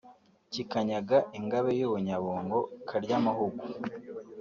kikanyaga Ingabe y’U Bunyabungo Karyamahugu